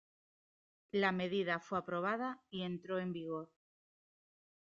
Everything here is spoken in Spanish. La medida fue aprobada y entró en vigor.